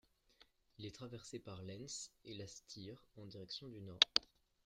Il est traversé par l'Enns et la Steyr en direction du nord.